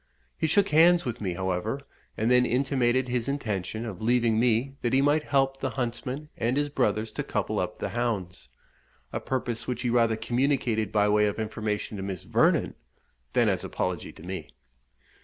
He shook hands with me, however, and then intimated his intention of leaving me that he might help the huntsman and his brothers to couple up the hounds, a purpose which he rather communicated by way of information to Miss Vernon than as apology to me.